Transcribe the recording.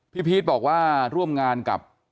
พีชบอกว่าร่วมงานกับ